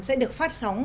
sẽ được phát sóng